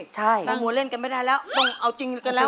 ใช่ตั้งหัวเล่นกันไม่ได้แล้วต้องเอาจริงกันแล้ว